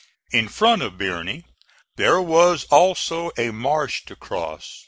In front of Birney there was also a marsh to cross.